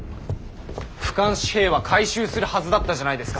不換紙幣は回収するはずだったじゃないですか。